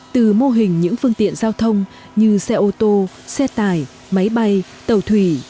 từ mô hình những phương tiện giao thông như xe ô tô xe tải máy bay tàu thủy